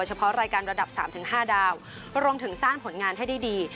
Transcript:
เฉพาะรายการระดับ๓๕ดาวรวมถึงสร้างผลงานให้ได้ดี